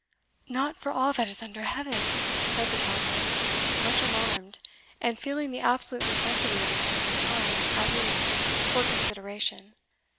"Not for all that is under heaven!" said the Countess, much alarmed, and feeling the absolute necessity of obtaining time, at least, for consideration.